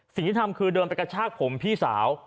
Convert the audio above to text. สิ่งที่ทำคือเดินไปกระชากผมพี่สาว